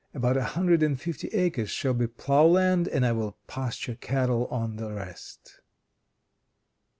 About a hundred and fifty acres shall be plough land, and I will pasture cattle on the rest."